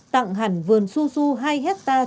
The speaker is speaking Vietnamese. tặng hẳn vườn su su hai hectare